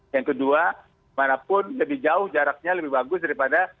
yang kedua manapun lebih jauh jaraknya lebih bagus daripada